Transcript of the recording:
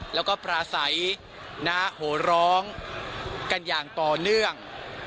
แล้วก็ปราศัยโหร้องกันอย่างต่อเนื่อง